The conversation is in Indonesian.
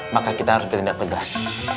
maka kita harus bertindak tegas